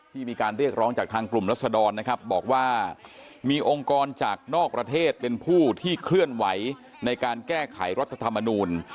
มีการเรียกร้องจากทางกลุ่มรัศดรนะครับบอกว่ามีองค์กรจากนอกประเทศเป็นผู้ที่เคลื่อนไหวในการแก้ไขรัฐธรรมนูล